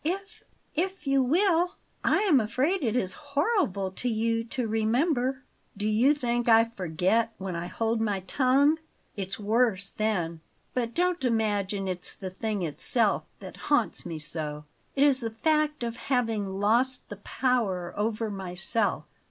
"If if you will. I am afraid it is horrible to you to remember." "Do you think I forget when I hold my tongue? It's worse then. But don't imagine it's the thing itself that haunts me so. It is the fact of having lost the power over myself."